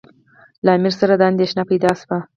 له امیر سره دا اندېښنه پیدا شوه.